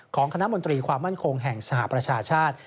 คณะมนตรีความมั่นคงแห่งสหประชาชาติ